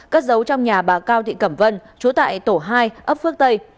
cất dấu trong nhà bà cao thị cẩm vân trú tại tổ hai ấp phước tây